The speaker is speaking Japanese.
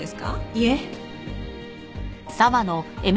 いえ。